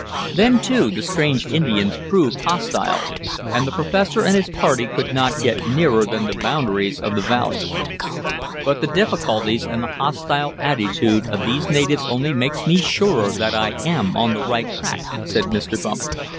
Then, too, the strange Indians proved hostile, and the professor and his party could not get nearer than the boundaries of the valley. "But the difficulties and the hostile attitude of these natives only makes me surer that I am on the right track," said Mr. Bumper.